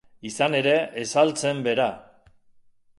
Izan ere, ez al zen bera.